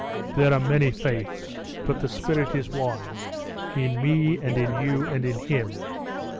There are many faiths, but the spirit is one in me and in you and in him.